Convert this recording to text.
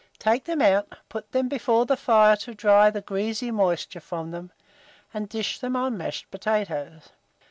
Take them out, put them before the fire to dry the greasy moisture from them, and dish them on mashed potatoes.